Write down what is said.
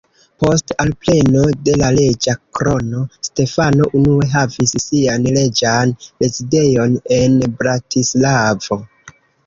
Post alpreno de la reĝa krono, Stefano unue havis sian reĝan rezidejon en Bratislavo.